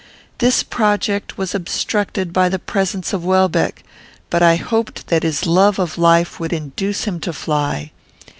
This project was obstructed by the presence of Welbeck; but I hoped that his love of life would induce him to fly.